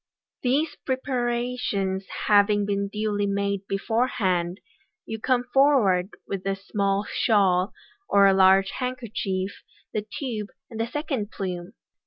These preparations having been duly made beforehand, you come forward with a small shawl, or large handkerchief, the tube, and the second plume.